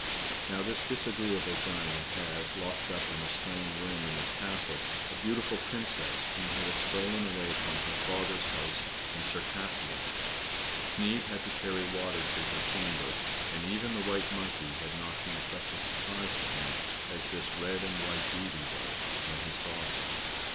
Now this disagreeable giant had, locked up in a stone room in his castle, a beautiful princess whom he had stolen away from her father's house in Circassia. Sneid had to carry water to her chamber, and even the white monkey had npt been such a surprise to him, as this red and white^ beauty was when he saw her.